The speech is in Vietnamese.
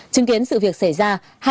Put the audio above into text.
chứng kiến sự việc xảy ra